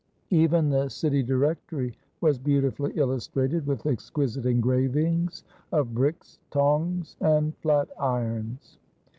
Even the City Directory was beautifully illustrated with exquisite engravings of bricks, tongs, and flat irons.